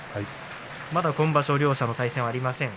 まだ今場所、両者の対戦がありません。